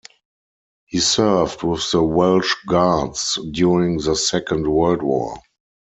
He served with the Welsh Guards during the Second World War.